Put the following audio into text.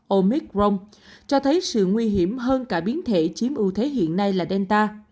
omicron cho thấy sự nguy hiểm hơn cả biến thể chiếm ưu thế hiện nay là delta